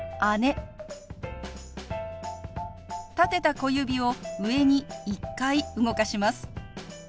立てた小指を上に１回動かします。